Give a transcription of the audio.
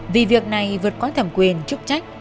vì việc này vượt qua thẩm quyền trúc trách